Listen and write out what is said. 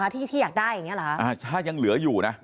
ที่อยากได้แบบนี้หรอถ้ายังเหลืออยู่นะ